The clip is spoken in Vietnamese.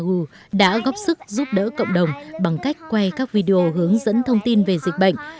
cô giáo nhỏ nhắn bảy tuổi anna wu đã góp sức giúp đỡ cộng đồng bằng cách quay các video hướng dẫn thông tin về dịch bệnh